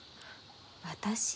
私？